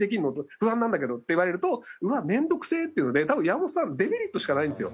「不安なんだけど」って言われるとうわっ面倒くせえっていうので多分山本さんデメリットしかないんですよ。